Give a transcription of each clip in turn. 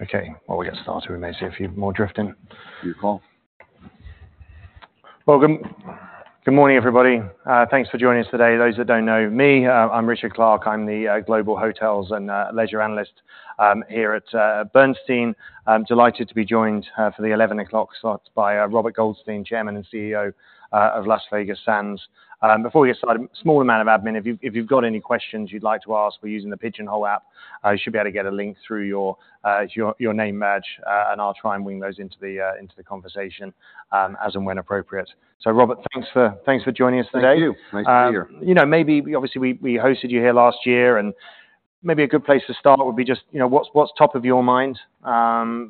Okay, while we get started, we may see a few more drift in. You call. Welcome. Good morning, everybody. Thanks for joining us today. Those that don't know me, I'm Richard Clarke. I'm the Global Hotels and Leisure Analyst here at Bernstein. I'm delighted to be joined for the 11:00 A.M. slot by Robert Goldstein, Chairman and CEO of Las Vegas Sands. Before we get started, small amount of admin. If you, if you've got any questions you'd like to ask, we're using the Pigeonhole app. You should be able to get a link through your name match, and I'll try and wing those into the conversation as and when appropriate. So Robert, thanks for joining us today. Thank you. Nice to be here. You know, maybe obviously, we hosted you here last year, and maybe a good place to start would be just, you know, what's top of your mind as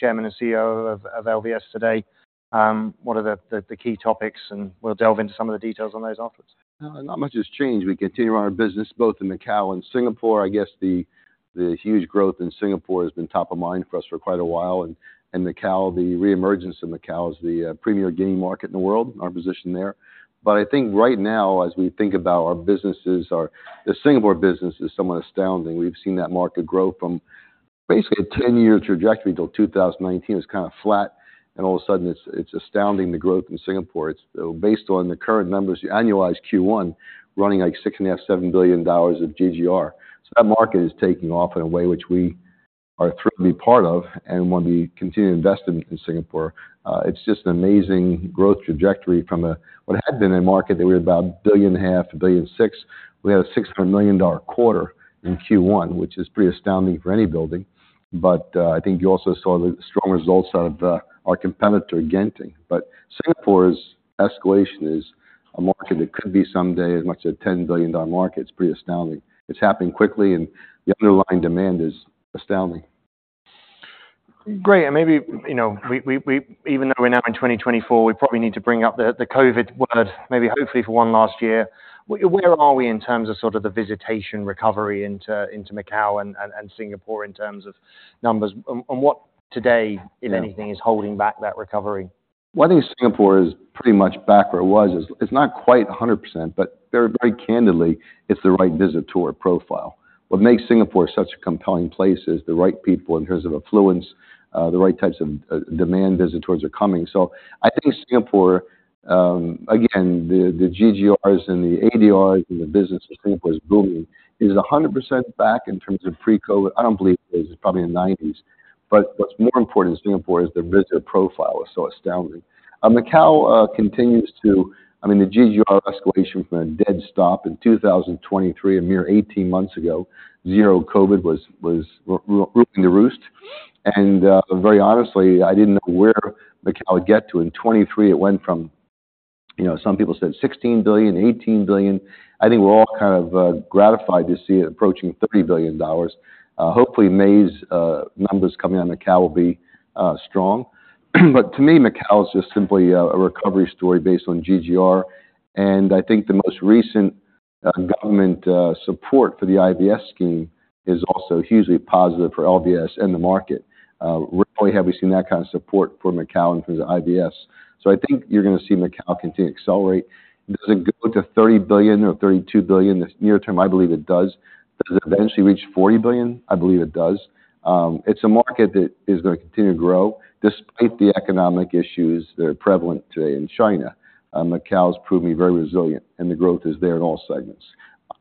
Chairman and CEO of LVS today? What are the key topics, and we'll delve into some of the details on those afterwards. Not much has changed. We continue our business both in Macao and Singapore. I guess the huge growth in Singapore has been top of mind for us for quite a while, and Macao, the reemergence in Macao as the premier gaming market in the world, our position there. But I think right now, as we think about our businesses, our. The Singapore business is somewhat astounding. We've seen that market grow from basically a 10-year trajectory till 2019. It was kind of flat, and all of a sudden, it's astounding the growth in Singapore. It's based on the current numbers, the annualized Q1, running like $6.5 billion-$7 billion of GGR. So that market is taking off in a way which we are thrilled to be part of and want to be continuing to invest in Singapore. It's just an amazing growth trajectory from a, what had been a market that were about $1.5 billion-$1.6 billion. We had a $600 million quarter in Q1, which is pretty astounding for any building. But, I think you also saw the strong results out of the, our competitor, Genting. But Singapore's escalation is a market that could be someday as much as a $10 billion market. It's pretty astounding. It's happening quickly, and the underlying demand is astounding. Great, and maybe, you know, even though we're now in 2024, we probably need to bring up the COVID word, maybe hopefully for one last year. Where are we in terms of sort of the visitation recovery into Macao and Singapore in terms of numbers? And what today, if anything, is holding back that recovery? Well, I think Singapore is pretty much back where it was. It's not quite 100%, but very, very candidly, it's the right visitor profile. What makes Singapore such a compelling place is the right people in terms of affluence, the right types of demand visitors are coming. So I think Singapore, again, the GGRs and the ADRs and the business of Singapore is booming. Is it 100% back in terms of pre-COVID? I don't believe it is, it's probably in the 90s, but what's more important in Singapore is the visitor profile is so astounding. And Macao continues to... I mean, the GGR escalation from a dead stop in 2023, a mere 18 months ago, zero COVID was rooting to roost. And, very honestly, I didn't know where Macao would get to. In 2023, it went from, you know, some people said $16 billion, $18 billion. I think we're all kind of gratified to see it approaching $30 billion. Hopefully, May's numbers coming out in Macao will be strong. But to me, Macao is just simply a recovery story based on GGR, and I think the most recent government support for the IVS scheme is also hugely positive for LVS and the market. Rarely have we seen that kind of support for Macao and for the IVS. So I think you're gonna see Macao continue to accelerate. Does it go to $30 billion or $32 billion this near term? I believe it does. Does it eventually reach $40 billion? I believe it does. It's a market that is gonna continue to grow, despite the economic issues that are prevalent today in China. Macao's proven to be very resilient, and the growth is there in all segments.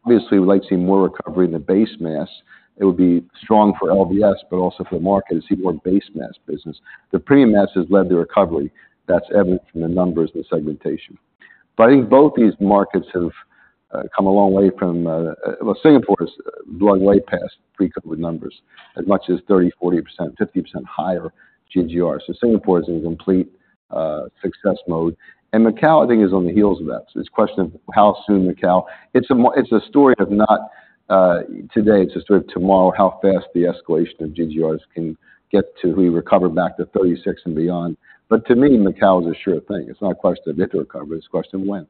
Obviously, we'd like to see more recovery in the base mass. It would be strong for LVS, but also for the market to see more base mass business. The premium mass has led to recovery. That's evident from the numbers and the segmentation. But I think both these markets have come a long way from... Well, Singapore has blown way past pre-COVID numbers, as much as 30%, 40%, 50% higher GGR. So Singapore is in complete success mode, and Macao, I think, is on the heels of that. So it's a question of how soon Macao. It's a more, it's a story of not today, it's a story of tomorrow, how fast the escalation of GGRs can get to we recover back to 36% and beyond. But to me, Macao is a sure thing. It's not a question of if it'll recover, it's a question of when.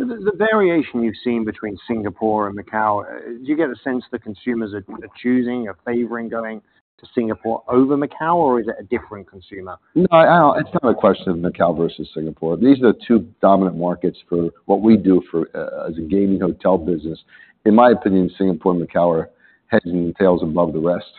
So the variation you've seen between Singapore and Macao, do you get a sense the consumers are choosing or favoring going to Singapore over Macao, or is it a different consumer? No, I don't. It's not a question of Macao versus Singapore. These are the two dominant markets for what we do for as a gaming hotel business. In my opinion, Singapore and Macao are heads and tails above the rest.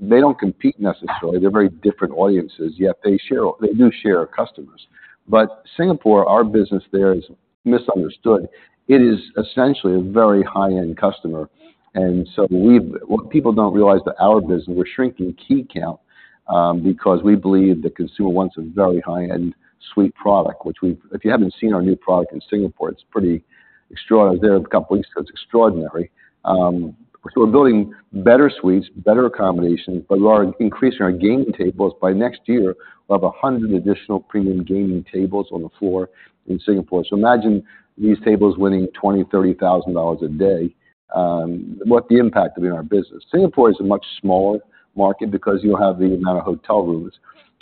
They don't compete necessarily. They're very different audiences, yet they share, they do share our customers. But Singapore, our business there is misunderstood. It is essentially a very high-end customer, and so we've, what people don't realize that our business, we're shrinking key count, because we believe the consumer wants a very high-end suite product, which we've. If you haven't seen our new product in Singapore, it's pretty extraordinary. I was there a couple of weeks ago, it's extraordinary. So we're building better suites, better accommodations, but we are increasing our gaming tables. By next year, we'll have 100 additional premium gaming tables on the floor in Singapore. So imagine these tables winning $20,000-$30,000 a day, what the impact will be on our business. Singapore is a much smaller market because you don't have the amount of hotel rooms,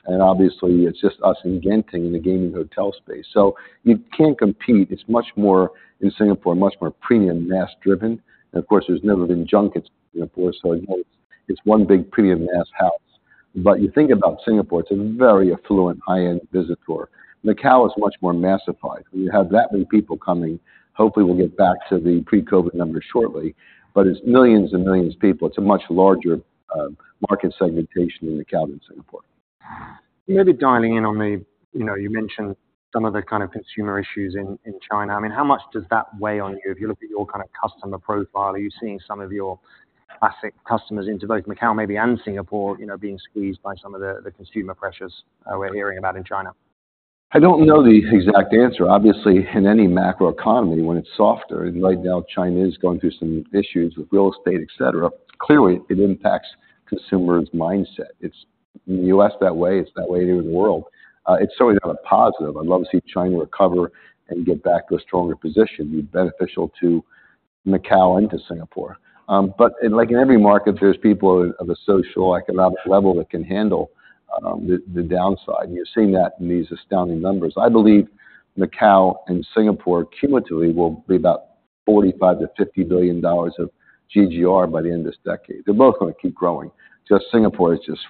and obviously, it's just us and Genting in the gaming hotel space. So you can't compete. It's much more, in Singapore, much more premium mass-driven, and of course, there's never been junkets in Singapore, so, you know, it's, it's one big premium mass house... but you think about Singapore, it's a very affluent, high-end visitor. Macao is much more massified. When you have that many people coming, hopefully we'll get back to the pre-COVID numbers shortly, but it's millions and millions of people. It's a much larger, market segmentation in Macao than Singapore. Maybe dialing in on the, you know, you mentioned some of the kind of consumer issues in, in China. I mean, how much does that weigh on you? If you look at your kind of customer profile, are you seeing some of your classic customers into both Macao maybe and Singapore, you know, being squeezed by some of the, the consumer pressures we're hearing about in China? I don't know the exact answer. Obviously, in any macroeconomy, when it's softer, and right now, China is going through some issues with real estate, et cetera, clearly, it impacts consumers' mindset. It's that way in the U.S., it's that way in the world. It's certainly not a positive. I'd love to see China recover and get back to a stronger position, be beneficial to Macao and to Singapore. But like in every market, there's people of a socioeconomic level that can handle the downside, and you're seeing that in these astounding numbers. I believe Macao and Singapore cumulatively will be about $45 billion-$50 billion of GGR by the end of this decade. They're both gonna keep growing. Just Singapore is just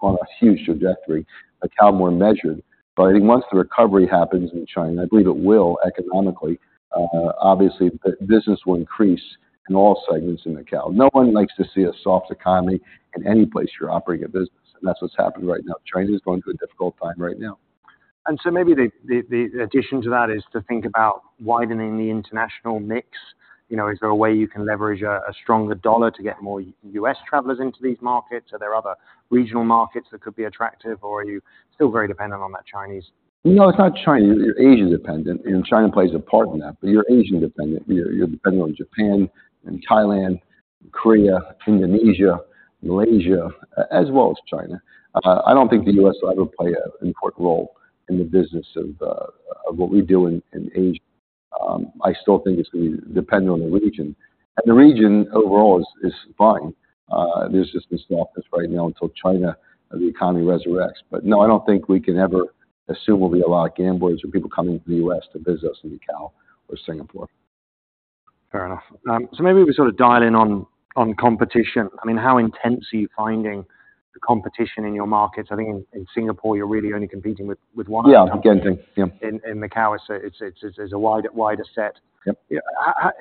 on a huge trajectory, Macao more measured. But I think once the recovery happens in China, I believe it will, economically, obviously, business will increase in all segments in Macao. No one likes to see a soft economy in any place you're operating a business, and that's what's happening right now. China is going through a difficult time right now. And so maybe the addition to that is to think about widening the international mix. You know, is there a way you can leverage a stronger dollar to get more U.S. travelers into these markets? Are there other regional markets that could be attractive, or are you still very dependent on that Chinese? No, it's not China. You're Asian dependent, and China plays a part in that, but you're Asian dependent. You're dependent on Japan and Thailand, Korea, Indonesia, Malaysia, as well as China. I don't think the U.S. will ever play an important role in the business of what we do in Asia. I still think it's gonna be dependent on the region. And the region overall is fine. There's just this softness right now until China, the economy resurrects. But no, I don't think we can ever assume there will be a lot of gamblers or people coming from the U.S. to visit us in Macao or Singapore. Fair enough. So maybe if we sort of dial in on competition, I mean, how intense are you finding the competition in your markets? I think in Singapore, you're really only competing with one- Yeah, Genting. Yeah. In Macao, it's a wider set. Yep. How,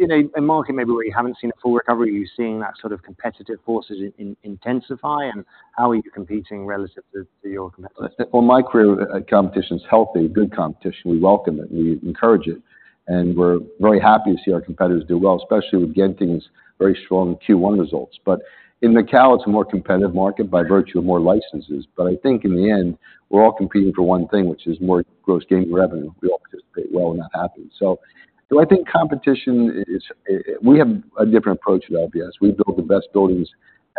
in a market maybe where you haven't seen a full recovery, are you seeing that sort of competitive forces intensify, and how are you competing relative to your competitors? Well, my crew, competition is healthy, good competition. We welcome it, we encourage it, and we're very happy to see our competitors do well, especially with Genting's very strong Q1 results. But in Macao, it's a more competitive market by virtue of more licenses. But I think in the end, we're all competing for one thing, which is more gross gaming revenue. We all participate well, and that happens. So, so I think competition is... We have a different approach at LVS. We build the best buildings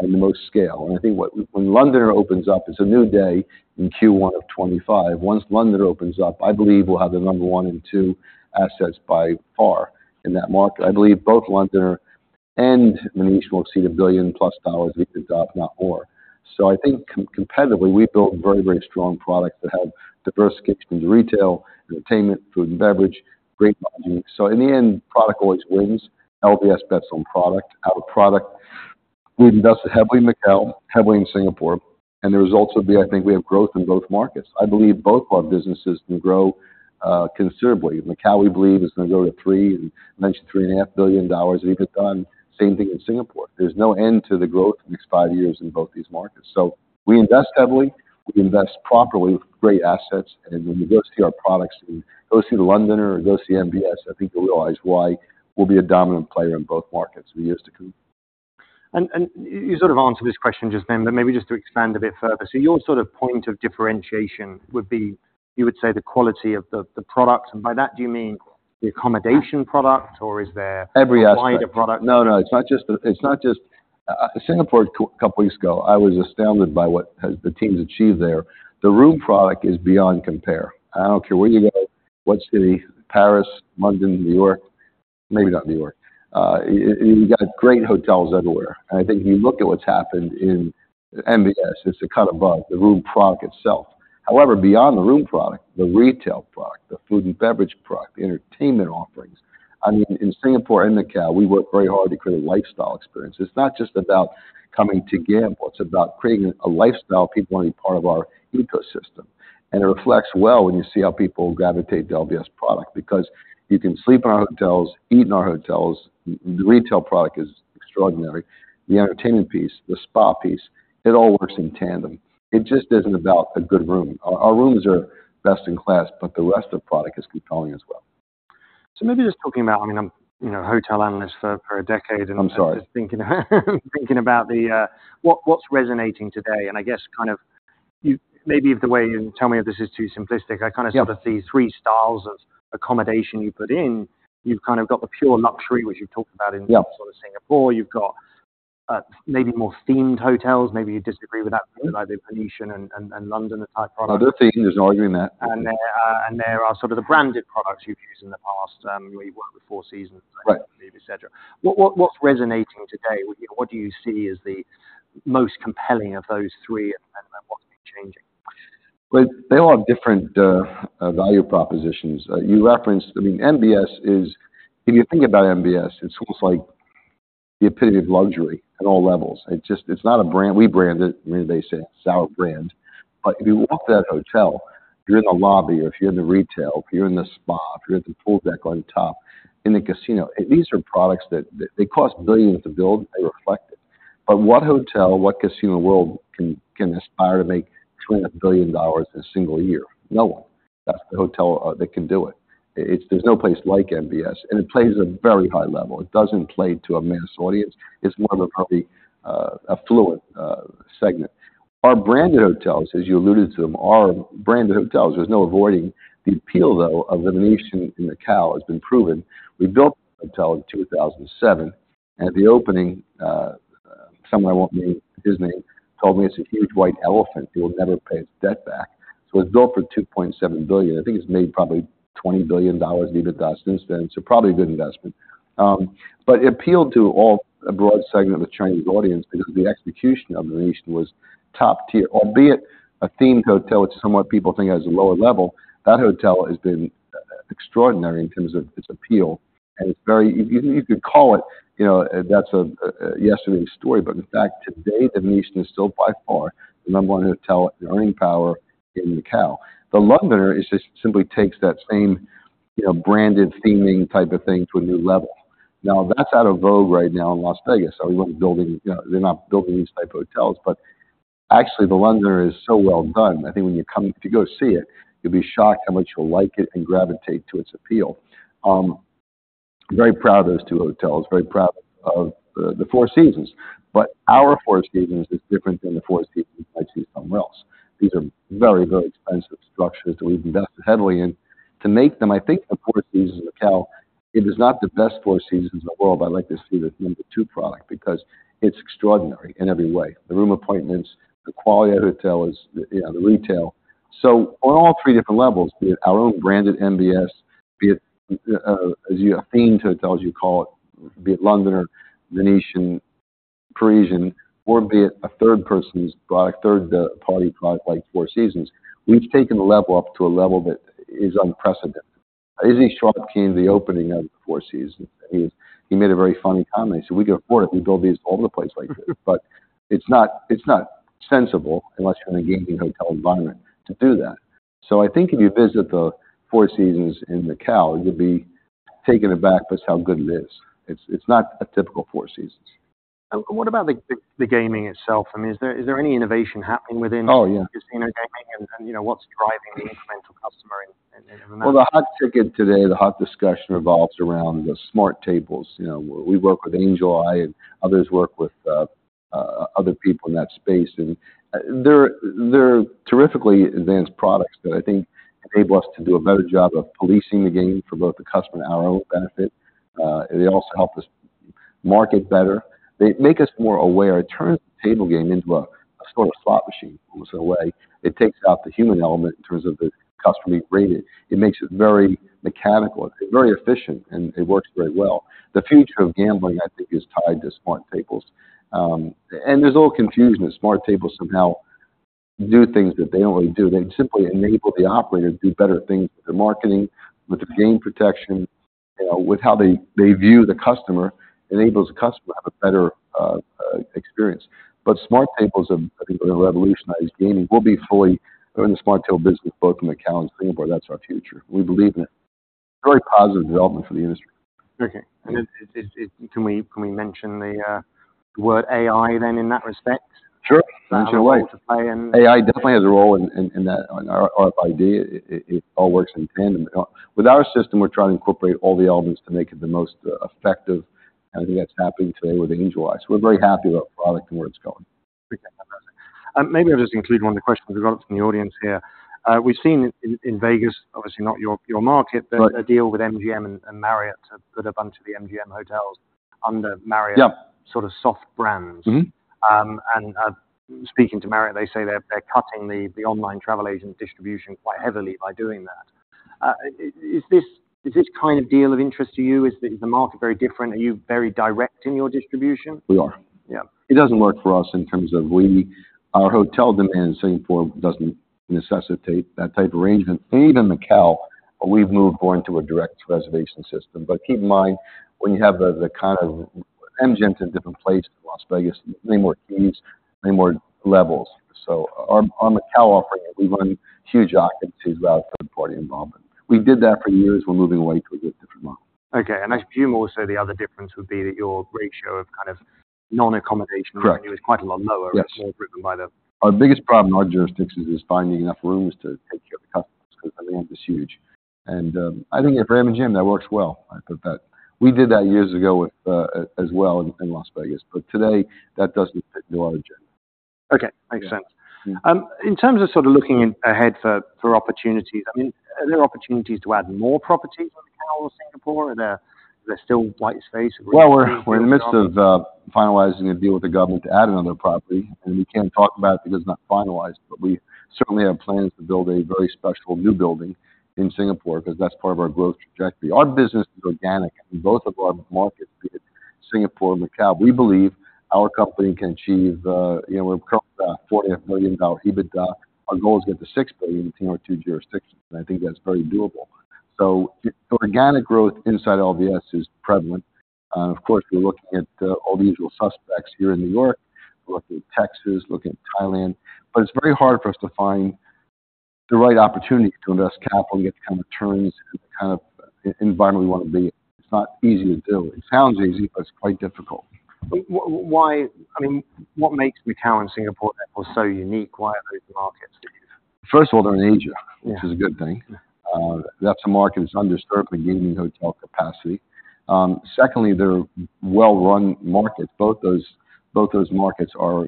at the most scale, and I think what, when Londoner opens up, it's a new day in Q1 of 2025. Once Londoner opens up, I believe we'll have the number one and two assets by far in that market. I believe both Londoner and Venetian will exceed $1+ billion, if not more. So I think competitively, we've built very, very strong products that have diverse kicks into retail, entertainment, food and beverage, great marketing. So in the end, product always wins. LVS bets on product, out of product. We've invested heavily in Macao, heavily in Singapore, and the results will be, I think we have growth in both markets. I believe both our businesses can grow considerably. Macao, we believe, is gonna go to $3 billion and mentioned $3.5 billion. We've done the same thing in Singapore. There's no end to the growth in the next five years in both these markets. So we invest heavily, we invest properly with great assets, and when you go see our products, go see The Londoner or go see MBS, I think you'll realize why we'll be a dominant player in both markets for years to come. You sort of answered this question just then, but maybe just to expand a bit further. So your sort of point of differentiation would be, you would say, the quality of the product, and by that, do you mean the accommodation product, or is there- Every aspect. Wider product? No, no, it's not just the... It's not just Singapore, a couple weeks ago, I was astounded by what has the team's achieved there. The room product is beyond compare. I don't care where you go, what city, Paris, London, New York, maybe not New York. You got great hotels everywhere, and I think if you look at what's happened in MBS, it's a cut above the room product itself. However, beyond the room product, the retail product, the food and beverage product, the entertainment offerings, I mean, in Singapore and Macao, we work very hard to create a lifestyle experience. It's not just about coming to gamble, it's about creating a lifestyle people wanna be part of our ecosystem. It reflects well when you see how people gravitate to LVS product, because you can sleep in our hotels, eat in our hotels, the retail product is extraordinary, the entertainment piece, the spa piece, it all works in tandem. It just isn't about a good room. Our, our rooms are best in class, but the rest of product is compelling as well. Maybe just talking about, I mean, I'm, you know, a Hotel Analyst for a decade- I'm sorry. Just thinking about what's resonating today, and I guess kind of, you maybe the way you tell me if this is too simplistic. Yeah... I kind of see the three styles of accommodation you put in. You've kind of got the pure luxury, which you talked about in- Yeah... Singapore. You've got, maybe more themed hotels, maybe you disagree with that, but like the Venetian and London type products. They're themed, there's no arguing that. And there are sort of the branded products you've used in the past, where you work with Four Seasons- Right... et cetera. What, what's resonating today? What do you see as the most compelling of those three approaches?... But they all have different value propositions. You referenced, I mean, MBS is, if you think about MBS, it's almost like the epitome of luxury at all levels. It just. It's not a brand. We brand it, I mean, they say it's our brand. But if you walk that hotel, if you're in the lobby or if you're in the retail, if you're in the spa, if you're at the pool deck on the top, in the casino, these are products that they cost billions to build. They reflect it. But what hotel, what casino in the world can aspire to make $200 billion in a single year? No one. That's the hotel that can do it. It's. There's no place like MBS, and it plays a very high level. It doesn't play to a mass audience. It's more of a probably affluent segment. Our branded hotels, as you alluded to them, are branded hotels. There's no avoiding the appeal, though, of the Venetian in Macao has been proven. We built the hotel in 2007, and at the opening, someone I won't name, his name, told me it's a huge white elephant. It will never pay its debt back. So it was built for $2.7 billion. I think it's made probably $20 billion leave with us since then. So probably a good investment. But it appealed to all, a broad segment of the Chinese audience because the execution of the Venetian was top tier, albeit a themed hotel, which is somewhat people think as a lower level. That hotel has been extraordinary in terms of its appeal, and it's very, you could call it, you know, that's a yesterday's story, but in fact, today, the Venetian is still by far the number one hotel earning power in Macao. The Londoner is just simply takes that same, you know, branded theming type of thing to a new level. Now, that's out of vogue right now in Las Vegas, so we won't be building, you know, they're not building these type of hotels, but actually, The Londoner is so well done. I think when you come to go see it, you'll be shocked how much you'll like it and gravitate to its appeal. Very proud of those two hotels, very proud of the Four Seasons, but our Four Seasons is different than the Four Seasons you might see somewhere else. These are very, very expensive structures that we've invested heavily in. To make them, I think, the Four Seasons Macao, it is not the best Four Seasons in the world. I like to see the number two product because it's extraordinary in every way. The room appointments, the quality of the hotel is, you know, the retail. So on all three different levels, be it our own branded MBS, be it, as you have themed hotels, you call it, be it Londoner, Venetian, Parisian, or be it a third person's product, third party product, like Four Seasons, we've taken the level up to a level that is unprecedented. Issy Sharp came to the opening of the Four Seasons. He, he made a very funny comment. He said, "We can afford it. We build these all over the place like this." But it's not, it's not sensible, unless you're in a gaming hotel environment, to do that. So I think if you visit the Four Seasons in Macao, you'd be taken aback by how good it is. It's, it's not a typical Four Seasons. What about the gaming itself? I mean, is there any innovation happening within- Oh, yeah. Casino gaming and, you know, what's driving the incremental customer in, I mean- Well, the hot ticket today, the hot discussion revolves around the smart tables. You know, we work with Angel Eye, and others work with other people in that space, and they're terrifically advanced products that I think enable us to do a better job of policing the game for both the customer and our own benefit. They also help us market better. They make us more aware. It turns the table game into a sort of slot machine, in a way. It takes out the human element in terms of the customer degraded. It makes it very mechanical and very efficient, and it works very well. The future of gambling, I think, is tied to smart tables. And there's a little confusion that smart tables somehow do things that they don't really do. They simply enable the operator to do better things with the marketing, with the game protection, you know, with how they view the customer, enables the customer to have a better experience. But smart tables, I think, are going to revolutionize gaming. We'll be fully in the smart table business, both in Macao and Singapore. That's our future. We believe in it. Very positive development for the industry. Okay. And can we mention the word AI then, in that respect? Sure. Fancy life. To play in- AI definitely has a role in that idea. It all works in tandem. With our system, we're trying to incorporate all the elements to make it the most effective anything that's happening today with Angel Eye. So we're very happy about the product and where it's going. Okay, fantastic. Maybe I'll just include one of the questions we got from the audience here. We've seen in Vegas, obviously not your market- Right. But a deal with MGM and Marriott to put a bunch of the MGM hotels under Marriott- Yeah Sort of soft brands. Mm-hmm. And, speaking to Marriott, they say they're cutting the online travel agent distribution quite heavily by doing that. Is this kind of deal of interest to you? Is the market very different? Are you very direct in your distribution? We are. Yeah. It doesn't work for us in terms of our hotel demand in Singapore doesn't necessitate that type of arrangement. And even in Macao, we've moved going to a direct reservation system. But keep in mind, when you have the kind of MGM to different places in Las Vegas, many more keys, many more levels. So our Macao offering, we run huge occupancy without third-party involvement. We did that for years. We're moving away to a different model. Okay, and I assume also the other difference would be that your ratio of kind of non-accommodation- Correct. Is quite a lot lower Yes. And more driven by the- Our biggest problem in our jurisdictions is finding enough rooms to take care of the customers because the demand is huge. And, I think for MGM, that works well. I thought that... We did that years ago with, as well in Las Vegas, but today, that doesn't fit our agenda. Okay, makes sense. Yeah. In terms of sort of looking ahead for opportunities, I mean, are there opportunities to add more properties in Singapore? Is there still white space? Well, we're in the midst of finalizing a deal with the government to add another property, and we can't talk about it because it's not finalized, but we certainly have plans to build a very special new building in Singapore because that's part of our growth trajectory. Our business is organic in both of our markets, be it Singapore, Macao. We believe our company can achieve, you know, we're currently about $48 million EBITDA. Our goal is to get to $6 billion in one or two jurisdictions, and I think that's very doable. So, organic growth inside LVS is prevalent. Of course, we're looking at all the usual suspects here in New York. We're looking at Texas, looking at Thailand, but it's very hard for us to find the right opportunity to invest capital and get the kind of returns and the kind of environment we want to be in. It's not easy to do. It sounds easy, but it's quite difficult. But I mean, what makes Macao and Singapore so unique? Why are those markets for you? First of all, they're in Asia- Yeah. Which is a good thing. That's a market that's underserved for gaming hotel capacity. Secondly, they're well-run markets. Both those, both those markets are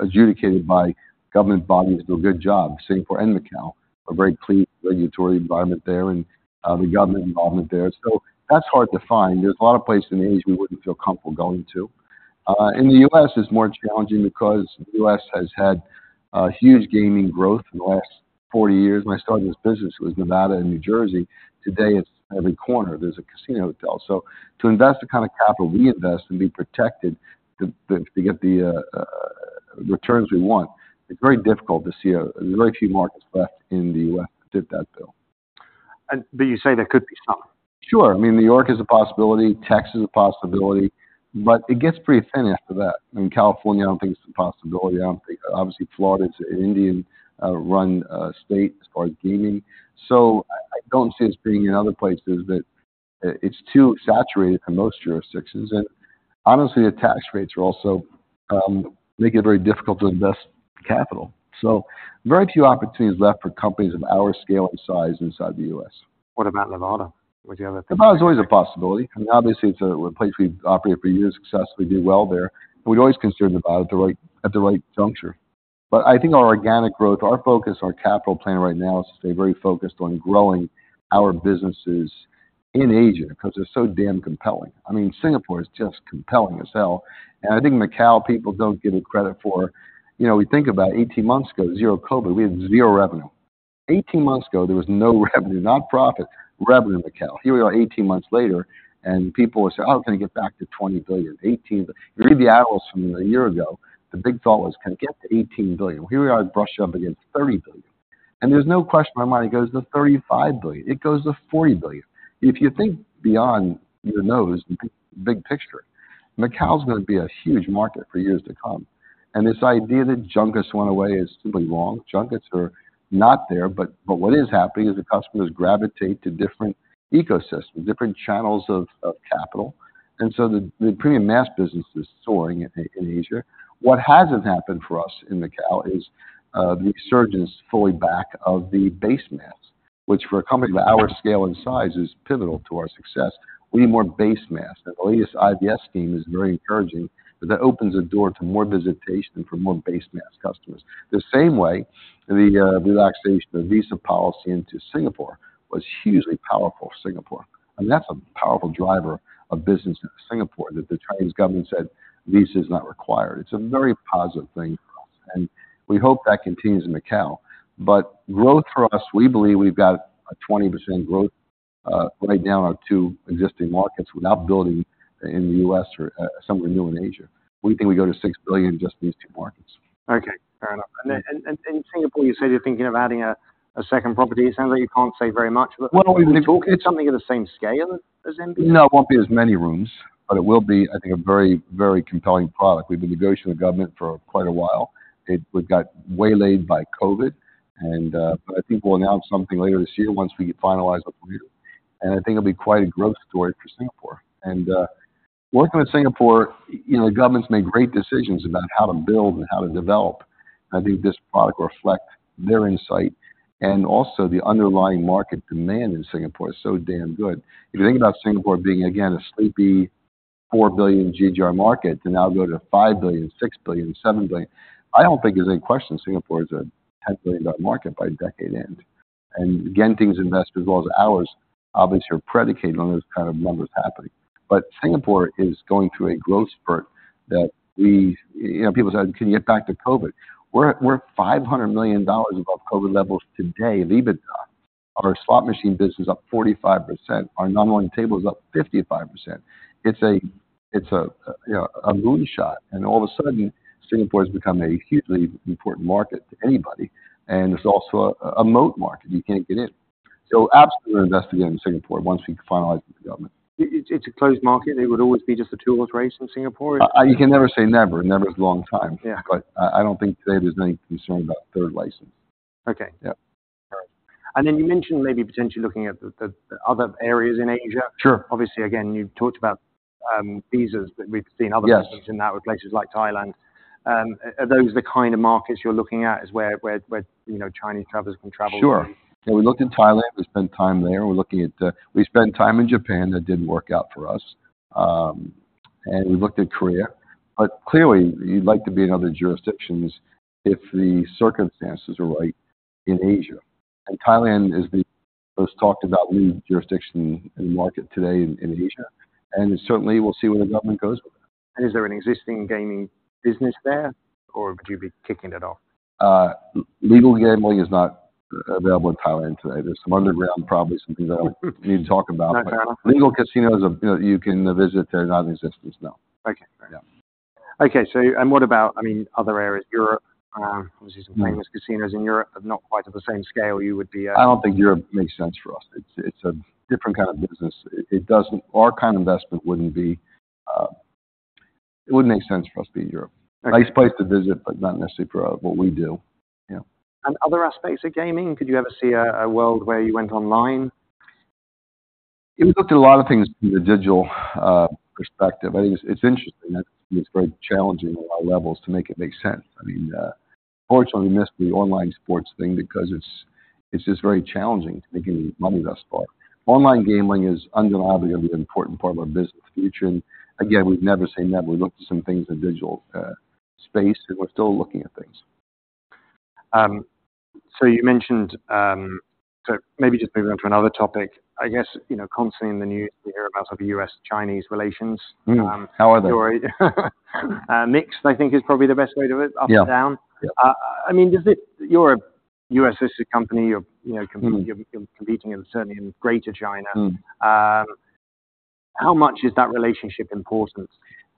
adjudicated by government bodies, do a good job, Singapore and Macao, a very clean regulatory environment there, and the government involvement there. So that's hard to find. There's a lot of places in Asia we wouldn't feel comfortable going to. In the U.S., it's more challenging because the U.S. has had a huge gaming growth in the last 40 years. When I started this business, it was Nevada and New Jersey. Today, it's every corner there's a casino hotel. So to invest the kind of capital we invest and be protected to get the returns we want, it's very difficult to see a... There's very few markets left in the U.S. that fit that bill. But you say there could be some? Sure. I mean, New York is a possibility, Texas is a possibility, but it gets pretty thin after that. In California, I don't think it's a possibility, I don't think. Obviously, Florida is an Indian run state as far as gaming, so I don't see us being in other places, but it's too saturated in most jurisdictions. And honestly, the tax rates are also make it very difficult to invest capital. So very few opportunities left for companies of our scale and size inside the U.S. What about Nevada? Would you ever think- Nevada is always a possibility. I mean, obviously, it's a place we've operated for years successfully, do well there, and we'd always consider Nevada at the right juncture. But I think our organic growth, our focus, our capital plan right now is to stay very focused on growing our businesses in Asia because they're so damn compelling. I mean, Singapore is just compelling as hell, and I think Macao, people don't give it credit for. You know, we think about 18 months ago, zero COVID, we had zero revenue. 18 months ago, there was no revenue, not profit, revenue in Macao. Here we are 18 months later, and people will say, "Oh, it's gonna get back to $20 billion, $18 billion." You read the analysts from a year ago, the big thought was, can it get to $18 billion? Here we are, brushing up against $30 billion, and there's no question in my mind it goes to $35 billion. It goes to $40 billion. If you think beyond your nose, the big picture, Macao is gonna be a huge market for years to come, and this idea that junkets went away is simply wrong. Junkets are not there, but what is happening is the customers gravitate to different ecosystems, different channels of capital, and so the premium mass business is soaring in Asia. What hasn't happened for us in Macao is the resurgence fully back of the base mass, which for a company of our scale and size, is pivotal to our success. We need more base mass. The latest IVS scheme is very encouraging, but that opens the door to more visitation for more base mass customers. The same way the relaxation of visa policy into Singapore was hugely powerful for Singapore. I mean, that's a powerful driver of business in Singapore, that the Chinese government said visa is not required. It's a very positive thing for us, and we hope that continues in Macao. But growth for us, we believe we've got a 20% growth right now on our two existing markets without building in the U.S. or somewhere new in Asia. We think we go to $6 billion in just these two markets. Okay, fair enough. And then, Singapore, you said you're thinking of adding a second property. It sounds like you can't say very much, but- Well, we- Is it something of the same scale as India? No, it won't be as many rooms, but it will be, I think, a very, very compelling product. We've been negotiating with government for quite a while. We've got waylaid by COVID, and, but I think we'll announce something later this year once we finalize what we're doing. And I think it'll be quite a growth story for Singapore. And, working with Singapore, you know, the government's made great decisions about how to build and how to develop. I think this product reflects their insight and also the underlying market demand in Singapore is so damn good. If you think about Singapore being, again, a sleepy $4 billion GGR market to now go to $5 billion, $6 billion, $7 billion, I don't think there's any question Singapore is a $10 billion market by decade end. Genting's investment, as well as ours, obviously, are predicated on those kind of numbers happening. But Singapore is going through a growth spurt that we... You know, people said, "Can you get back to COVID?" We're $500 million above COVID levels today in EBITDA. Our slot machine business is up 45%. Our non-rolling table is up 55%. It's a, it's a, you know, a moon shot, and all of a sudden, Singapore has become a hugely important market to anybody, and it's also a, a moat market. You can't get in. So absolutely, we're investing again in Singapore once we finalize with the government. It's a closed market. It would always be just a two-horse race in Singapore? You can never say never. Never is a long time. Yeah. But I don't think today there's any concern about third license. Okay. Yeah. All right. And then you mentioned maybe potentially looking at the other areas in Asia. Sure. Obviously, again, you've talked about visas, but we've seen other- Yes things in that with places like Thailand. Are those the kind of markets you're looking at, where, you know, Chinese travelers can travel? Sure. So we looked in Thailand, we spent time there. We're looking at. We spent time in Japan, that didn't work out for us. and we looked at Korea. But clearly, you'd like to be in other jurisdictions if the circumstances are right in Asia. And Thailand is the most talked about lead jurisdiction in the market today in Asia, and certainly, we'll see where the government goes with it. Is there an existing gaming business there, or would you be kicking it off? Legal gambling is not available in Thailand today. There's some underground, probably some things I don't need to talk about. No doubt. Legal casinos, you know, you can visit, they're non-existent, no. Okay, great. Yeah. Okay, so and what about, I mean, other areas, Europe, obviously- Mm some famous casinos in Europe, but not quite at the same scale you would be. I don't think Europe makes sense for us. It's, it's a different kind of business. It, it doesn't... Our kind of investment wouldn't be, it wouldn't make sense for us to be in Europe. Okay. Nice place to visit, but not necessarily for what we do. Yeah. Other aspects of gaming, could you ever see a world where you went online? We looked at a lot of things from the digital perspective. I think it's interesting, and it's very challenging on all levels to make it make sense. I mean, unfortunately, we missed the online sports thing because it's just very challenging to making money thus far. Online gambling is undeniably going to be an important part of our business in the future, and again, we've never say never. We looked at some things in digital space, and we're still looking at things. Maybe just moving on to another topic, I guess, you know, constantly in the news, we hear about the U.S.-China relations. How are they? Mixed, I think is probably the best way to put it. Yeah - up and down. I mean, does it, you're a U.S.-listed company, you're, you know- Mm... you're competing in, certainly in Greater China. Mm. How much is that relationship important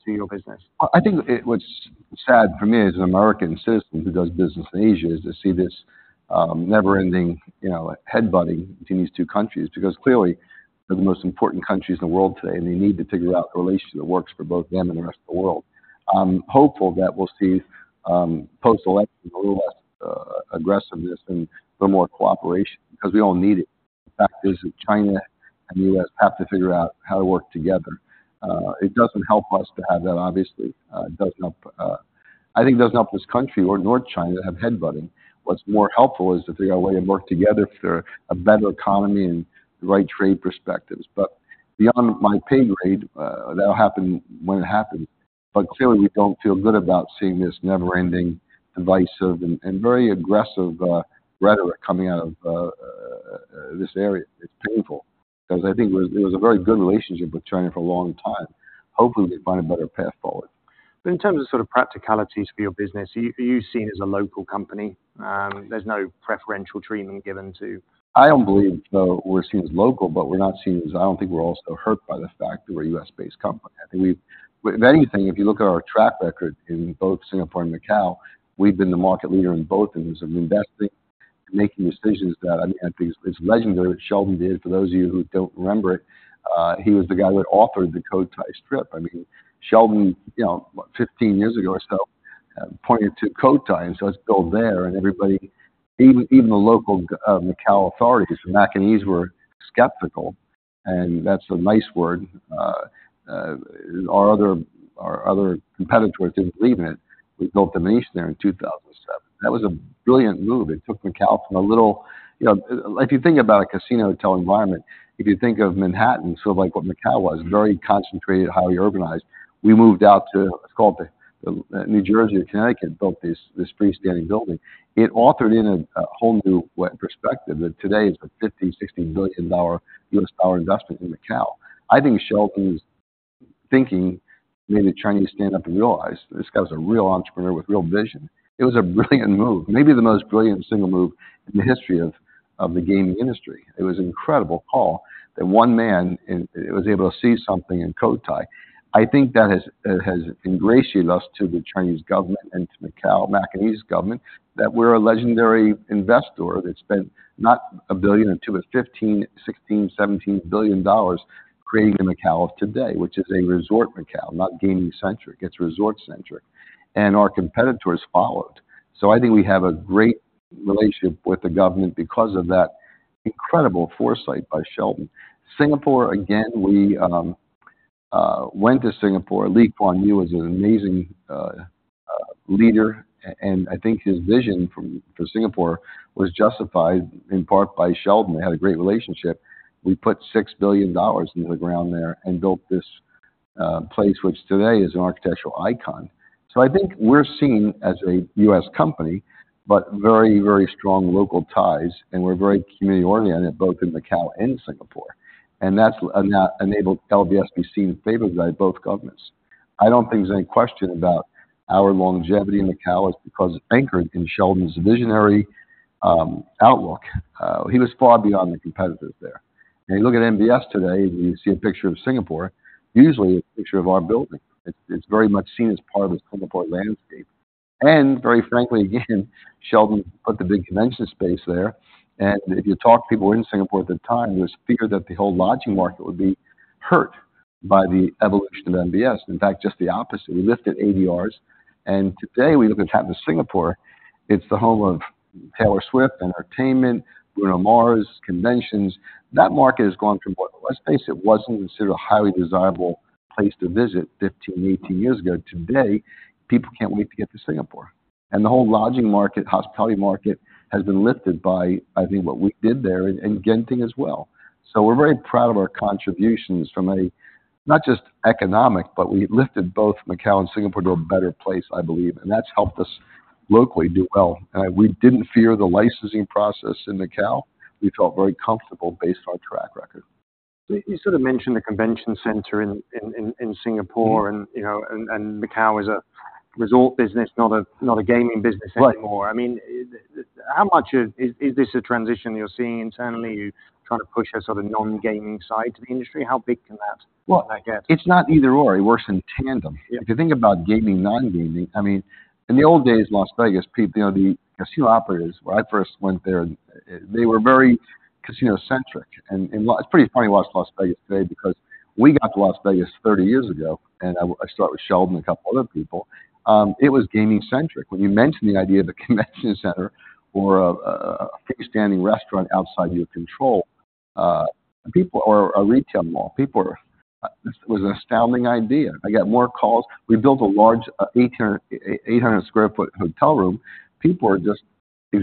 to your business? I think what's sad for me as an American citizen who does business in Asia is to see this never-ending, you know, headbutting between these two countries, because clearly, they're the most important countries in the world today, and they need to figure out a relationship that works for both them and the rest of the world. I'm hopeful that we'll see post-election a little less aggressiveness and a little more cooperation, because we all need it. The fact is that China and the U.S. have to figure out how to work together. It doesn't help us to have that obviously. It doesn't help. I think it doesn't help this country or nor China to have headbutting. What's more helpful is to figure out a way to work together for a better economy and the right trade perspectives. But beyond my pay grade, that'll happen when it happens. But clearly, we don't feel good about seeing this never-ending, divisive, and very aggressive rhetoric coming out of this area. It's painful because I think it was a very good relationship with China for a long time. Hopefully, they find a better path forward. But in terms of sort of practicalities for your business, are you, are you seen as a local company? There's no preferential treatment given to- I don't believe, though, we're seen as local, but we're not seen as... I don't think we're also hurt by the fact that we're a U.S.-based company. I think we've-- If anything, if you look at our track record in both Singapore and Macao, we've been the market leader in both, and we've been investing, making decisions that, I mean, I think it's legendary what Sheldon did. For those of you who don't remember it, he was the guy that authored the Cotai Strip. I mean, Sheldon, you know, what, 15 years ago or so, pointed to Cotai and says, "Let's build there." And everybody, even, even the local, Macao authorities, the Macanese were skeptical, and that's a nice word. Our other, our other competitors didn't believe in it. We built the nation there in 2007. That was a brilliant move. It took Macao from a little... You know, if you think about a casino hotel environment, if you think of Manhattan, sort of like what Macao was, very concentrated, highly organized. We moved out to, it's called the, the New Jersey or Connecticut, built this, this freestanding building. It ushered in a, a whole new way perspective that today is a $50 billion-$60 billion investment in Macao. I think Sheldon's thinking made the Chinese stand up and realize, this guy's a real entrepreneur with real vision. It was a brilliant move, maybe the most brilliant single move in the history of, of the gaming industry. It was an incredible call that one man in, was able to see something in Cotai. I think that has ingratiated us to the Chinese government and to Macao, Macanese government, that we're a legendary investor that spent not $1 billion or $2 billion, but $15 billion, $16 billion, $17 billion creating the Macao of today, which is a resort Macao, not gaming-centric, it's resort-centric. Our competitors followed. I think we have a great relationship with the government because of that incredible foresight by Sheldon. Singapore, again, we went to Singapore. Lee Kuan Yew was an amazing leader, and I think his vision for Singapore was justified in part by Sheldon. They had a great relationship. We put $6 billion into the ground there and built this place, which today is an architectural icon. So I think we're seen as a U.S. company, but very, very strong local ties, and we're very community-oriented, both in Macao and Singapore. And that enabled LVS to be seen favorably by both governments. I don't think there's any question about our longevity in Macao is because anchored in Sheldon's visionary, outlook. He was far beyond the competitors there. When you look at MBS today, and you see a picture of Singapore, usually a picture of our building. It's very much seen as part of Singapore landscape. And very frankly, again, Sheldon put the big convention space there, and if you talk to people who were in Singapore at the time, there was fear that the whole lodging market would be hurt by the evolution of MBS. In fact, just the opposite. We lifted ADRs, and today, we look at what's happening in Singapore. It's the home of Taylor Swift, entertainment, Bruno Mars, conventions. That market has gone from what, let's face it, wasn't considered a highly desirable place to visit 15, 18 years ago. Today, people can't wait to get to Singapore. And the whole lodging market, hospitality market, has been lifted by, I think, what we did there and, and Genting as well. So we're very proud of our contributions from a, not just economic, but we lifted both Macao and Singapore to a better place, I believe, and that's helped us locally do well. We didn't fear the licensing process in Macao. We felt very comfortable based on our track record. So you sort of mentioned the convention center in Singapore and, you know, Macao is a resort business, not a gaming business anymore. Right. I mean, how much of... Is this a transition you're seeing internally? You're trying to push a sort of non-gaming side to the industry. How big can that get? Well, it's not either/or, it works in tandem. Yeah. If you think about gaming, non-gaming, I mean, in the old days, Las Vegas, you know, the casino operators, when I first went there, they were very casino-centric. Well, it's pretty funny to watch Las Vegas today, because we got to Las Vegas 30 years ago, and I, I start with Sheldon and a couple other people, it was gaming-centric. When you mentioned the idea of a convention center or a freestanding restaurant outside your control, people or a retail mall, people were. It was an astounding idea. I got more calls. We built a large, 800 sq ft hotel room. People were just they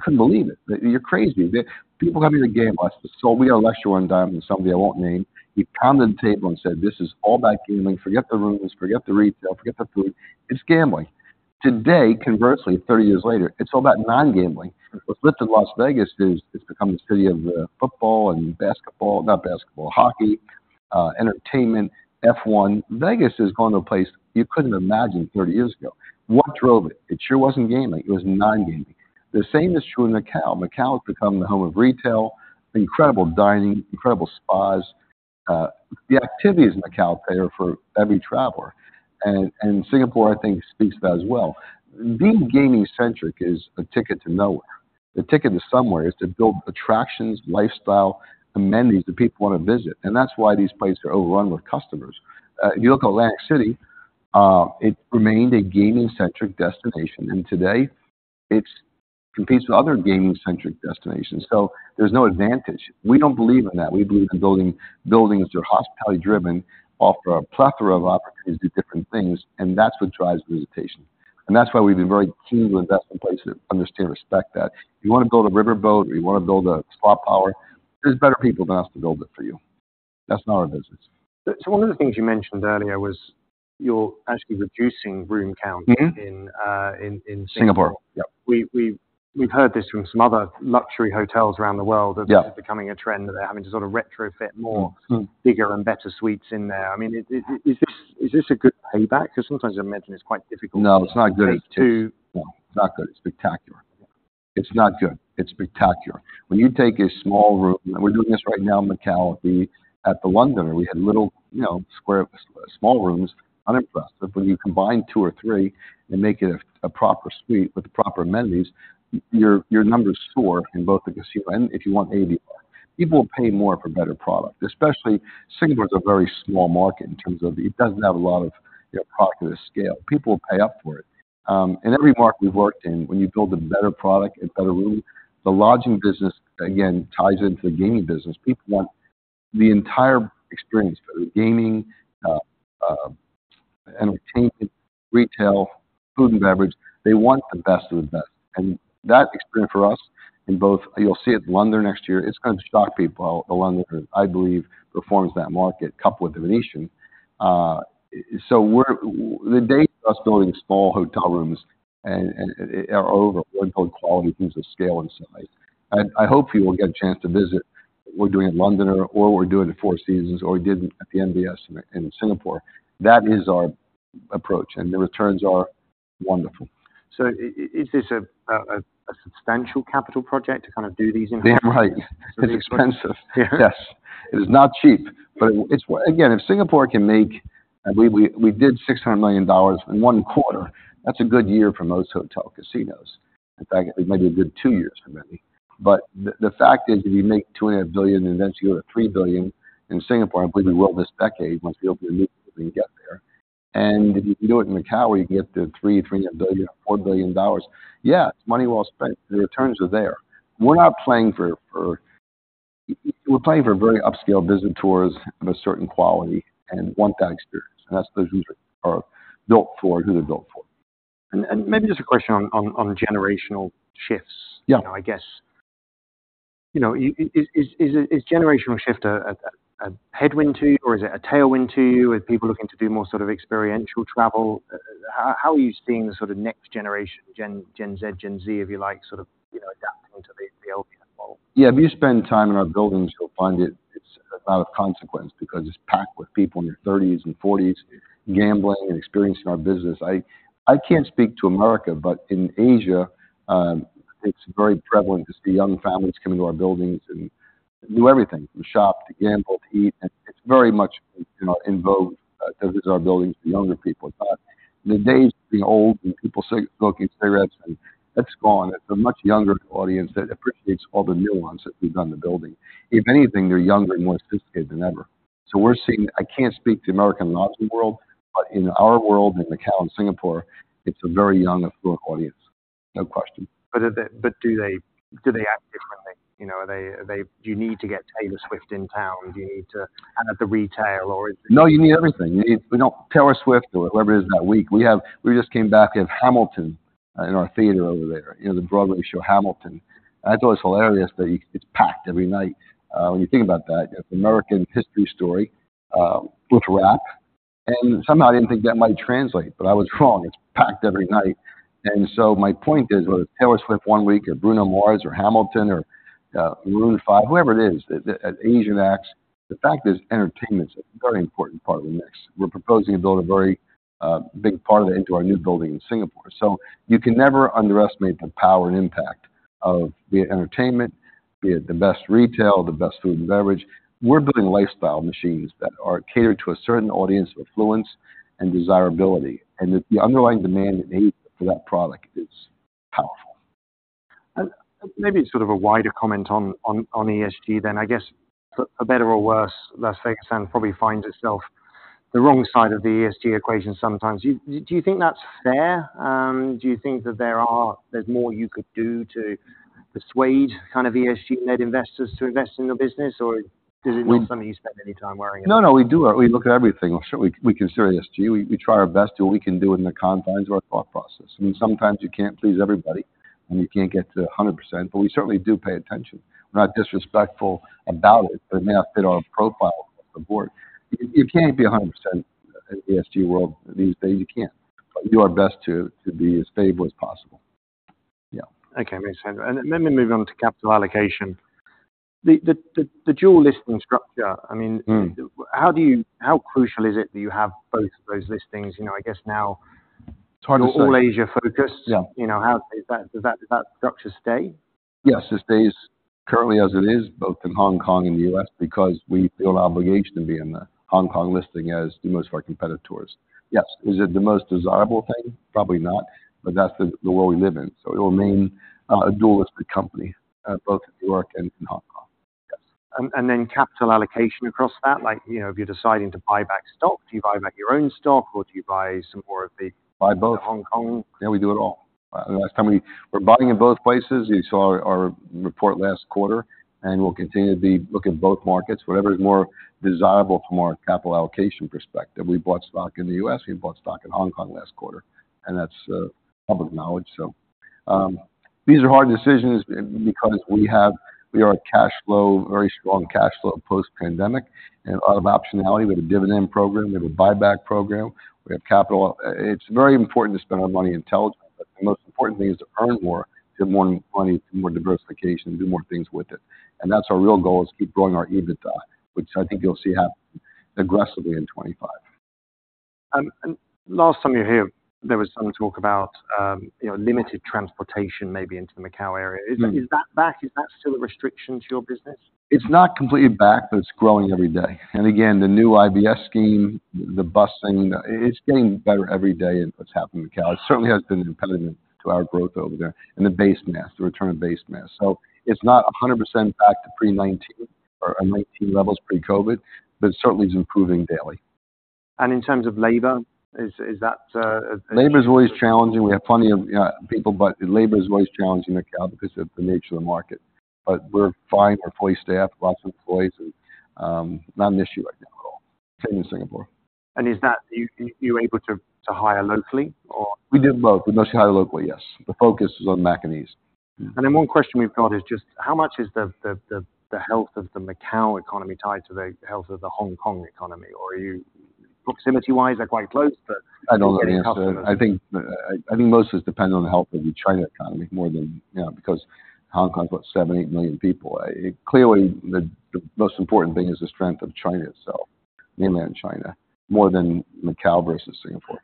couldn't believe it. "You're crazy." People come here to gamble. So we had a lecture one time with somebody I won't name. He pounded the table and said, "This is all about gaming. Forget the rooms, forget the retail, forget the food. It's gambling." Today, conversely, 30 years later, it's all about non-gambling. What's lifted Las Vegas is, it's become the city of football and basketball, not basketball, hockey, entertainment, F1. Vegas has gone to a place you couldn't imagine 30 years ago. What drove it? It sure wasn't gambling. It was non-gambling. The same is true in Macao. Macao has become the home of retail, incredible dining, incredible spas. The activities in Macao pay for every traveler, and Singapore, I think, speaks to that as well. Being gaming-centric is a ticket to nowhere. The ticket to somewhere is to build attractions, lifestyle, amenities that people wanna visit, and that's why these places are overrun with customers. You look at Atlantic City, it remained a gaming-centric destination, and today, it's competes with other gaming-centric destinations, so there's no advantage. We don't believe in that. We believe in building buildings that are hospitality driven, offer a plethora of opportunities to do different things, and that's what drives visitation. That's why we've been very keen to invest in places that understand and respect that. You wanna build a riverboat or you wanna build a spa tower, there's better people than us to build it for you. That's not our business. One of the things you mentioned earlier was you're actually reducing room count- Mm-hmm... in Singapore. Singapore, yep. We've heard this from some other luxury hotels around the world- Yeah... that this is becoming a trend, that they're having to sort of retrofit more- Mm, mm. - bigger and better suites in there. I mean, is this, is this a good payback? Because sometimes you mention it's quite difficult- No, it's not good. - to, to- No, it's not good, it's spectacular. It's not good, it's spectacular. When you take a small room, and we're doing this right now in Macao, at the Londoner, we had little, you know, square, small rooms, unimpressive. But when you combine two or three and make it a proper suite with the proper amenities, your numbers soar in both the casino and if you want ADR. People will pay more for better product, especially Singapore is a very small market in terms of... It doesn't have a lot of, you know, popular scale. People will pay up for it. In every market we've worked in, when you build a better product and better room, the lodging business, again, ties into the gaming business. People want the entire experience, whether gaming, entertainment, retail, food and beverage, they want the best of the best. And that experience for us in both, you'll see it in London next year, it's gonna shock people. The Londoner, I believe, performs that market coupled with the Venetian. So, the days of us building small hotel rooms and are over. We build quality in terms of scale and size. I hope people get a chance to visit what we're doing at Londoner or we're doing at Four Seasons or we did at the MBS in Singapore. That is our approach, and the returns are wonderful. Is this a substantial capital project to kind of do these improvements? Damn right! It's expensive. Yeah. Yes. It is not cheap, but it's... Again, if Singapore can make, I believe we, we did $600 million in one quarter, that's a good year for most hotel casinos. In fact, it may be a good two years for many. But the, the fact is, if you make $2.5 billion and eventually go to $3 billion in Singapore, I believe we will this decade, once we open the year, we can get there. And if you do it in Macao, where you can get to 3, $3.5 billion, $4 billion, yeah, it's money well spent. The returns are there. We're not playing for, for... We're playing for very upscale visitors of a certain quality and want that experience, and that's those are built for, who they're built for. Maybe just a question on generational shifts. Yeah. You know, I guess, you know, is generational shift a headwind to you, or is it a tailwind to you, with people looking to do more sort of experiential travel? How are you seeing the sort of next generation, Gen Z, if you like, sort of, you know, adapting to the LVS model? Yeah, if you spend time in our buildings, you'll find it, it's not of consequence because it's packed with people in their thirties and forties, gambling and experiencing our business. I can't speak to America, but in Asia, it's very prevalent to see young families coming to our buildings and do everything from shop to gamble, to eat. And it's very much, you know, in vogue to visit our buildings to younger people. But the days of being old and people smoking cigarettes and... That's gone. It's a much younger audience that appreciates all the new ones that we've done in the building. If anything, they're younger and more sophisticated than ever. So we're seeing. I can't speak to American lodging world, but in our world, in Macao and Singapore, it's a very young, affluent audience, no question. But do they act differently? You know, are they... Do you need to get Taylor Swift in town? Do you need to add up the retail or- No, you need everything. You need Taylor Swift or whoever it is that week. We just came back from Hamilton in our theater over there, you know, the Broadway show, Hamilton. And it's always hilarious, that it's packed every night. When you think about that, the American history story with rap. And somehow I didn't think that might translate, but I was wrong. It's packed every night. And so my point is, whether it's Taylor Swift one week, or Bruno Mars, or Hamilton, or Maroon 5, whoever it is, the Asian acts, the fact is, entertainment's a very important part of the mix. We're proposing to build a very big part of it into our new building in Singapore. So you can never underestimate the power and impact of be it entertainment, be it the best retail, the best food and beverage. We're building lifestyle machines that are catered to a certain audience of affluence and desirability, and the underlying demand and need for that product is powerful. Maybe sort of a wider comment on ESG then, I guess, for better or worse, Las Vegas Sands probably finds itself the wrong side of the ESG equation sometimes. Do you think that's fair? Do you think that there's more you could do to persuade kind of ESG-led investors to invest in your business, or does it not something you spend any time worrying about? No, no, we do, we look at everything. Sure, we consider ESG. We try our best to do what we can do in the confines of our thought process. I mean, sometimes you can't please everybody, and you can't get to 100%, but we certainly do pay attention. We're not disrespectful about it, but it may not fit our profile of the board. You can't be 100% in ESG world these days. You can't. But we do our best to be as stable as possible. Yeah. Okay, makes sense. Let me move on to capital allocation. The dual listing structure, I mean- Mm. How crucial is it that you have both those listings, you know, I guess now? It's hard to say. You're all Asia focused. Yeah. You know, how does that--does that structure stay? Yes, it stays currently as it is, both in Hong Kong and the U.S., because we feel an obligation to be in the Hong Kong listing as do most of our competitors. Yes. Is it the most desirable thing? Probably not, but that's the world we live in, so it will remain a dual listed company both in New York and in Hong Kong. Yes. And then capital allocation across that, like, you know, if you're deciding to buy back stock, do you buy back your own stock, or do you buy some more of the- Buy both. Hong Kong? Yeah, we do it all. Last time we... We're buying in both places. You saw our, our report last quarter, and we'll continue to be look in both markets, whatever is more desirable from our capital allocation perspective. We bought stock in the U.S., we bought stock in Hong Kong last quarter, and that's public knowledge. So, these are hard decisions because we have, we are a cash flow, very strong cash flow post-pandemic, and a lot of optionality. We have a dividend program, we have a buyback program, we have capital. It's very important to spend our money intelligently, but the most important thing is to earn more, get more money, more diversification, and do more things with it. And that's our real goal, is to keep growing our EBITDA, which I think you'll see happen aggressively in 2025. Last time you were here, there was some talk about, you know, limited transportation maybe into the Macao area. Mm. Is that back? Is that still a restriction to your business? It's not completely back, but it's growing every day. And again, the new IVS scheme, the bus thing, it's getting better every day, and what's happened in Macao. It certainly has been competitive to our growth over there, and the base mass, the return of base mass. So it's not 100% back to pre-2019 or, or 2019 levels, pre-COVID, but it certainly is improving daily. And in terms of labor, is that Labor is always challenging. We have plenty of people, but labor is always challenging in Macao because of the nature of the market. But we're fine. We're fully staffed, lots of employees, and not an issue right now at all. Same in Singapore. Is that... You able to hire locally or? We did both. We mostly hire locally, yes. The focus is on Macanese. And then one question we've got is just how much is the health of the Macao economy tied to the health of the Hong Kong economy, or are you... Proximity-wise, they're quite close, but- I don't know the answer. I think, I think most is dependent on the health of the China economy more than, you know, because Hong Kong's got 7 million-8 million people. It clearly, the most important thing is the strength of China itself, mainland China, more than Macao versus Singapore.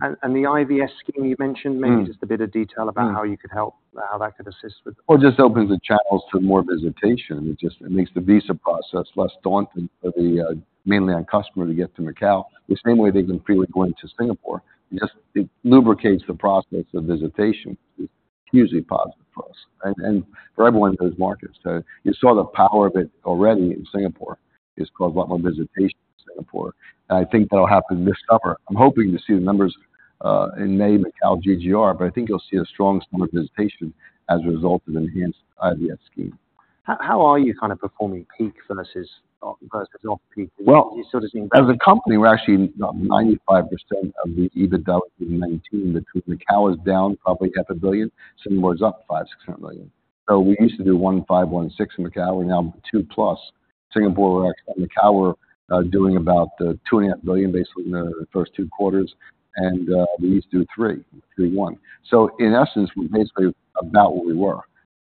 And the IVS scheme you mentioned- Mm. Maybe just a bit of detail about how you could help, how that could assist with. Well, it just opens the channels to more visitation. It just, it makes the visa process less daunting for the mainland customer to get to Macao, the same way they can freely go into Singapore. Just it lubricates the process of visitation. It's hugely positive for us and, and for everyone in those markets. So you saw the power of it already in Singapore. It's caused a lot more visitation to Singapore, and I think that'll happen this summer. I'm hoping to see the numbers in May, Macao GGR, but I think you'll see a strong summer visitation as a result of enhanced IVS scheme. How, how are you kind of performing peak versus, versus off-peak? Well- You sort of seeing- As a company, we're actually 95% of the EBITDA in 2019. But Macao is down probably $500 million, Singapore is up $500 million-$600 million. So we used to do $1.5 billion-$1.6 billion in Macao, we're now $2+ billion. Singapore, we're actually, Macao, we're doing about $2.5 billion, basically in the first two quarters, and we used to do $3 billion-$3.1 billion. So in essence, we're basically about where we were.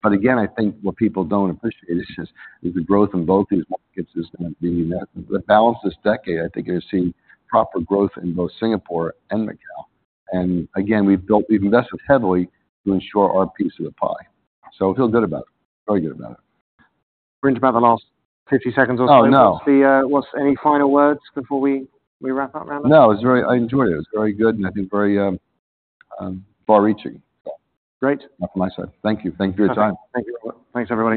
But again, I think what people don't appreciate is just the growth in both these markets is gonna be massive. The balance this decade, I think you're seeing proper growth in both Singapore and Macao. And again, we've invested heavily to ensure our piece of the pie. So I feel good about it. Very good about it. Bring about the last 50 seconds or so. Oh, no. Any final words before we, we wrap up around that? No, it's very... I enjoyed it. It was very good, and I think very, far-reaching. Yeah. Great. That's my side. Thank you. Thank you for your time. Thank you. Thanks, everybody.